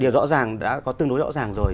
rõ ràng đã có tương đối rõ ràng rồi